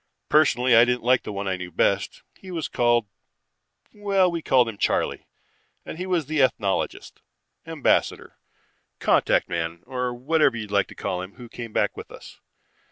Personally I didn't like the one I knew best. He was called well, we called him Charley, and he was the ethnologist, ambassador, contact man, or whatever you like to call him, who came back with us.